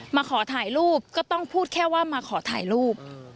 มาขอถ่ายรูปก็ต้องพูดแค่ว่ามาขอถ่ายรูป